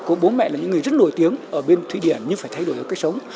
cô bố mẹ là những người rất nổi tiếng ở bên thụy điển nhưng phải thay đổi cách sống